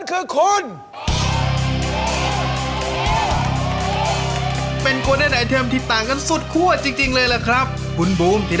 คุณมีเวลา๖๐วินาที